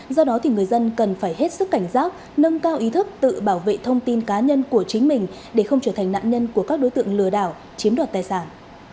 do đó thì người dân cần phải hết sức cảnh giác nâng cao ý thức tự bảo vệ thông tin cá nhân của chính mình để không trở thành nạn nhân của các đối tượng lừa đảo chiếm đoạt tài sản